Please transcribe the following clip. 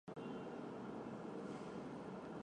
汉朝在此处设置己氏县。